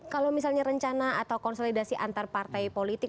kalau misalnya rencana atau konsolidasi antar partai politik